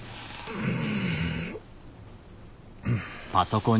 うん。